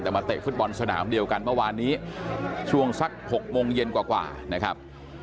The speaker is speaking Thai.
แต่มาเตะฟุตบอลสนามเดียวกันเมื่อวานนี้ช่วงสัก๖โมงเย็นกว่านะครับ